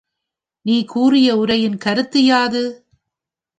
நீ கூறிய உரையின் கருத்து யாது?